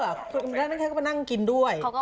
เมื่อกี้เป็นคน่าน่าเค้าบ้านนั่งซักตอนกินด้วย